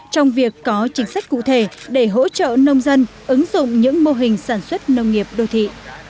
trong việc có chính sách cụ thể để hỗ trợ nông dân ứng dụng những mô hình sản xuất nông nghiệp đô thị